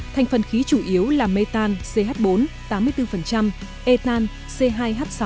thành phần khí chủ yếu là mê tan ch bốn tám mươi bốn ê tan c hai h sáu một mươi hai